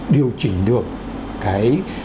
điều chỉnh được cái